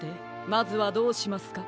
まずはどうしますか？